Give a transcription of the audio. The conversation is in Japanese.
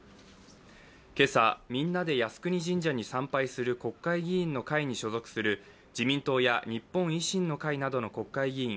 今朝、みんなで靖国神社に参拝する国会議員の会に所属する自民党や日本維新の会などの国会議員